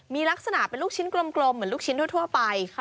มีลักษณะเป็นลูกชิ้นกลมเหมือนลูกชิ้นทั่วไป